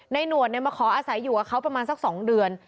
หนวดมาขออาศัยอยู่กับเขาประมาณสัก๒เดือน